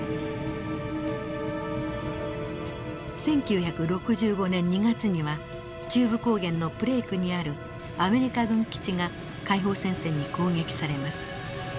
１９６５年２月には中部高原のプレイクにあるアメリカ軍基地が解放戦線に攻撃されます。